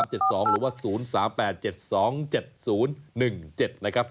หรือว่า๐๓๘๗๒๗๐๑๗